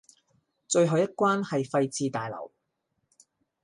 最後一關喺廢置大樓